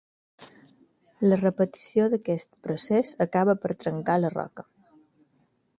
La repetició d'aquest procés acaba per trencar la roca.